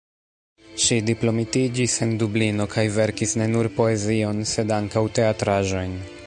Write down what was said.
Ŝi diplomitiĝis en Dublino, kaj verkis ne nur poezion, sed ankaŭ teatraĵojn.